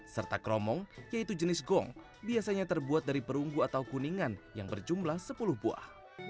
serta kromong yaitu jenis gong biasanya terbuat dari perunggu atau kuningan yang berjumlah sepuluh buah